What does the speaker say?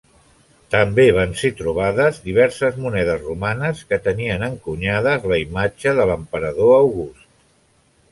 També van ser trobades diverses monedes romanes que tenien encunyades la imatge de l'emperador August.